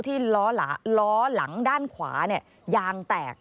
ที่ร้อหลังด้านขวาอย่างแตก